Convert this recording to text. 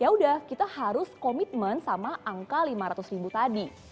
ya udah kita harus komitmen sama angka lima ratus ribu tadi